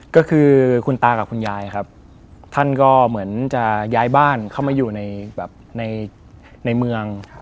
ก็คือคุณตากับคุณยายครับท่านก็เหมือนจะย้ายบ้านเข้ามาอยู่ในแบบในเมือง